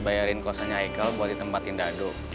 bayarin kosnya ikel buat ditempatin dado